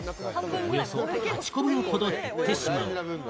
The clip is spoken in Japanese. およそ８個分ほど減ってしまう。